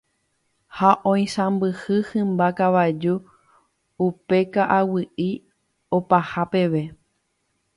ha oisãmbyhy hymba kavaju upe ka'aguy'i opaha peve.